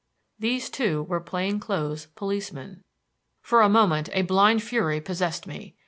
These two were plainclothes policemen. For a moment a blind fury possessed me.